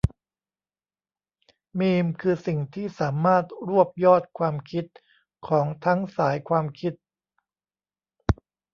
มีมคือสิ่งที่สามารถรวบยอดความคิดของทั้งสายความคิด